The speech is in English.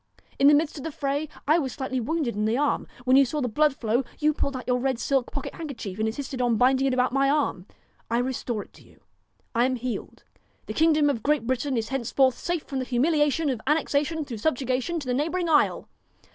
In 148 the midst of the fray I was slightly wounded in the arm ; when you saw the blood flow, you pulled out your red silk pocket handkerchief and insisted on binding it about my arm. I restore it to you. I am healed. The kingdom of Great Britain is henceforth safe from the humiliation of annexation through subjugation to the neighbouring isle.'